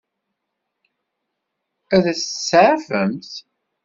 Ad t-tseɛfemt?